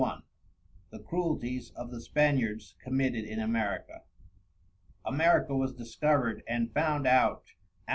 _ Farewell THE CRUELTIES OF THE Spaniards Committed in AMERICA. America was discovered and found out _Ann.